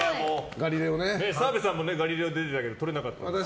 澤部さんも「ガリレオ」出てたけどとれなかったよね。